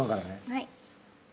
はい。